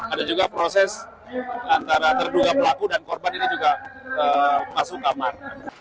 ada juga proses antara terduga pelaku dan korban ini juga masuk kamar